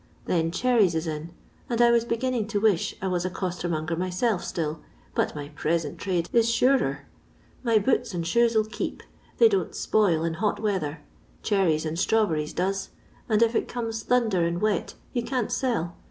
Then cherries is in ; and I was beginning to wish I was a costermonger myself still, but my present trade is suret'. My boots and shoes '11 keep. They don't spoil in hot weather. Cherries and strawberries does, and if it comes thimder and wet, you can't sell.